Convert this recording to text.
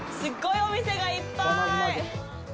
お店がいっぱい。